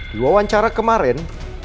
di wawancara kemarin